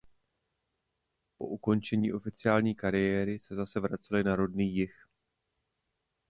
Po ukončení oficiální kariéry se zase vraceli na rodný jih.